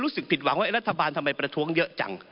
รู้สึกผิดหวังว่ารัฐบาลทำไมประท้วงเยอะจัง